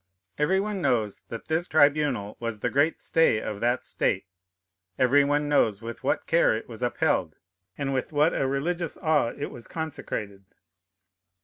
Every one knows that this tribunal was the great stay of that state; every one knows with what care it was upheld, and with what a religious awe it was consecrated.